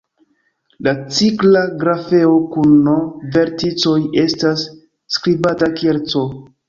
La cikla grafeo kun "n" verticoj estas skribata kiel "C".